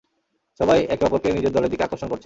সবাই একে অপরকে নিজের দলের দিকে আকর্ষণ করছে।